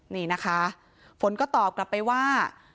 นี่นะคะฝนก็ตอบกลับไปว่า